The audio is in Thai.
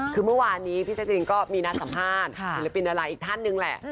คือเมื่อวานนี้พี่แจ๊กรีนก็มีนัดสัมภาษณ์ศิลปินอะไรอีกท่านหนึ่งแหละ